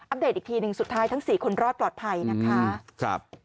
เดตอีกทีหนึ่งสุดท้ายทั้งสี่คนรอดปลอดภัยนะคะ